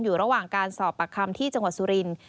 อยู่ระหว่างการสอบปากคำที่จังหวัดสุรินทร์